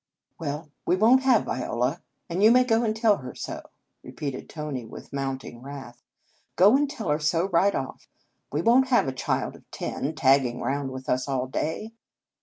"Well, we won t have Viola, and you may go and tell her so," repeated Tony with mounting wrath. " Go and tell her so right off. We won t have a child of ten tagging round with us all day."